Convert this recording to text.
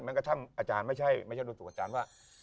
กระทั่งอาจารย์ไม่ใช่ดูถูกอาจารย์ว่า